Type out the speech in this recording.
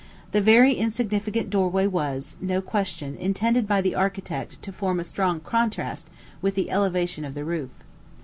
The very insignificant doorway was, no question, intended by the architect to form a strong contrast with the elevation of the roof.